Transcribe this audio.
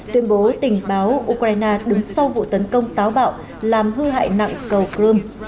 tuyên bố tình báo ukraine đứng sau vụ tấn công táo bạo làm hư hại nặng cầu crimea